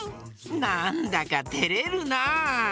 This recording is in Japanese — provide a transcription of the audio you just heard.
なんだかてれるな。